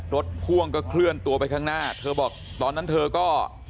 พ่วงก็เคลื่อนตัวไปข้างหน้าเธอบอกตอนนั้นเธอก็